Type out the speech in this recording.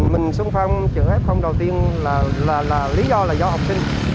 mình xuân phong chợ f đầu tiên là lý do là do học sinh